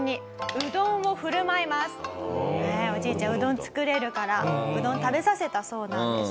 おじいちゃんうどん作れるからうどん食べさせたそうなんです。